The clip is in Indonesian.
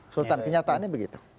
sultan kenyataannya begitu